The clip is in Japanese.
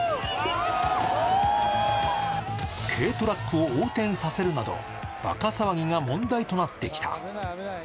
軽トラックを横転させるなどばか騒ぎが問題となってきた。